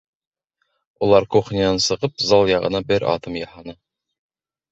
Улар кухнянан сығып, зал яғына бер аҙым яһаны.